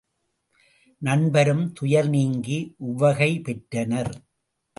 நண்பரும் துயர் நீங்கி உவகை பெற்றனர்.